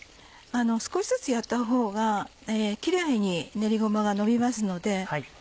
少しずつやったほうがキレイに練りごまがのびますので。